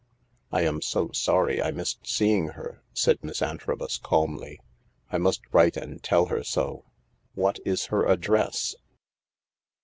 " I am so sorry I missed seeing her," said Miss Antrobus calmly. " I must write and tell her so. What is her address